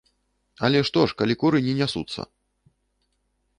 Але што ж, калі куры не нясуцца!